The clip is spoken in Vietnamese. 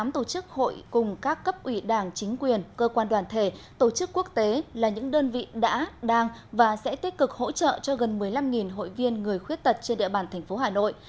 tám tổ chức hội cùng các cấp ủy đảng chính quyền cơ quan đoàn thể tổ chức quốc tế là những đơn vị đã đang và sẽ tích cực hỗ trợ cho gần một mươi năm hội viên người khuyết tật trên địa bàn thành phố hà nội